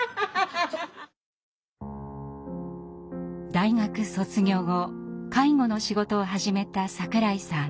大学卒業後介護の仕事を始めた櫻井さん。